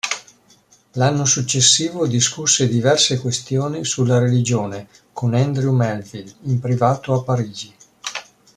L'anno successivo discusse diverse questioni sulla religione con Andrew Melville, in privato a Parigi.